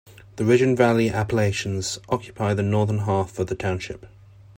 The Ridge-and-Valley Appalachians occupy the northern half of the township.